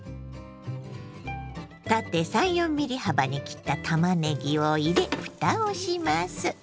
縦３４ｍｍ幅に切ったたまねぎを入れふたをします。